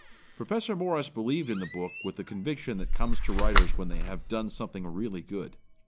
Professor Morris believed in the book with the conviction that comes to writers when they have done something really good.